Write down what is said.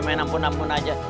main ampun ampun aja